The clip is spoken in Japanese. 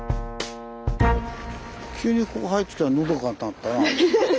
急にここ入ってきたらのどかになったな。